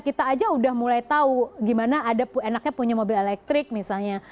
kita aja udah mulai tahu gimana ada enaknya punya mobil elektrik misalnya